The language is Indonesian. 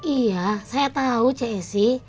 iya saya tahu cik esi